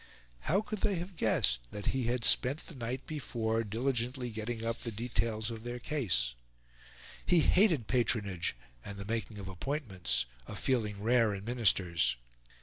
How could they have guessed that he had spent the night before diligently getting up the details of their case? He hated patronage and the making of appointments a feeling rare in Ministers.